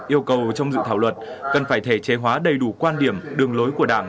yêu cầu trong dự thảo luật cần phải thể chế hóa đầy đủ quan điểm đường lối của đảng